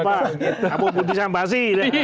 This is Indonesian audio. atau budi sambasi